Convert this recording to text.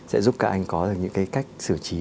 sẽ giúp các anh có được những cái cách xử trí